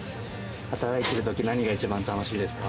働いてるとき何が一番楽しいですか？